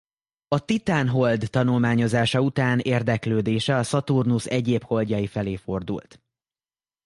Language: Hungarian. A Titán hold tanulmányozása után érdeklődése a Szaturnusz egyéb holdjai felé fordult.